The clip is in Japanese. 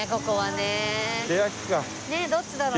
ねっどっちだろう。